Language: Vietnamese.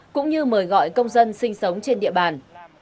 cũng như mời gọi công dân sinh sống trên địa bàn